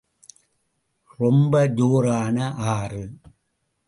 ரொம்ப ஜோரான ஆறு.